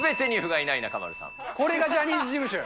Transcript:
これがジャニーズ事務所よ。